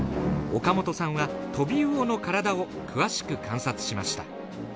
岡本さんはトビウオの体を詳しく観察しました。